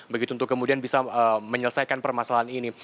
begitu untuk kemudian bisa menyelesaikan permasalahan ini